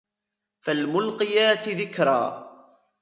فالملقيات ذكرا